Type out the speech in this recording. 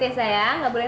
yes kita beli bom baru